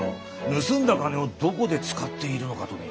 盗んだ金をどこで使っているのかとね。